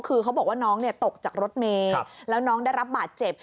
คือเขาบอกว่าน้องตกจากรถเมย์แล้วน้องได้รับบาดเจ็บ